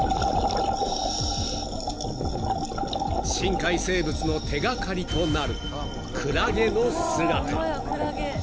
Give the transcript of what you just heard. ［深海生物の手掛かりとなるクラゲの姿］